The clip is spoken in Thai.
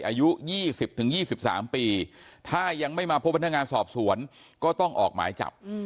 อายุ๒๐๒๓ปีถ้ายังไม่มาพบพนักงานสอบสวนก็ต้องออกหมายจับ